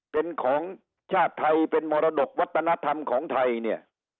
เป็นของชาติไทยเป็นมรดกวัฒนธรรมของไทยเนี่ย